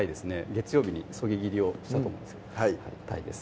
月曜日に削ぎ切りをしたと思うんですけどたいです